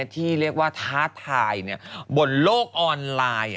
ที่เรียกว่าท้าทายบนโลกออนไลน์